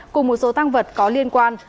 cùng một số tăng vật có liên quan